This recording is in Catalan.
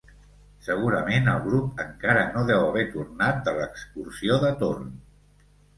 Segurament el grup encara no deu haver tornat de l'excursió de torn.